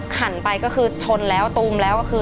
ขันไปก็คือชนแล้วตูมแล้วก็คือเปลี่ยน